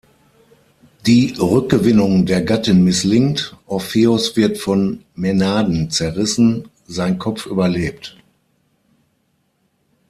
Die Rückgewinnung der Gattin misslingt, Orpheus wird von Mänaden zerrissen, sein Kopf überlebt.